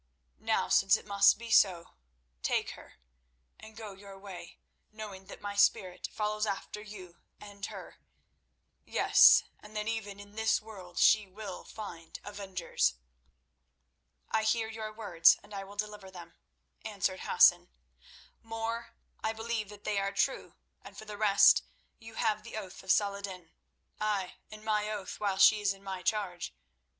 Now, since it must be so, take her and go your way, knowing that my spirit follows after you and her; yes, and that even in this world she will find avengers." "I hear your words, and I will deliver them," answered Hassan. "More, I believe that they are true, and for the rest you have the oath of Salah ed din—ay, and my oath while she is in my charge.